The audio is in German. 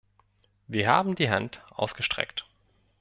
Wir haben die Hand ausgestreckt.